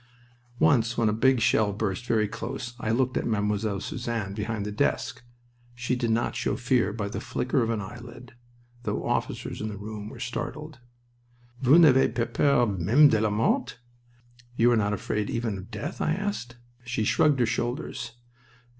Once when a big shell burst very close I looked at Mademoiselle Suzanne behind the desk. She did not show fear by the flicker of an eyelid, though officers in the room were startled. "Vous n'avez pas peur, meme de la mort?" ("You are not afraid, even of death?") I asked. She shrugged her shoulders.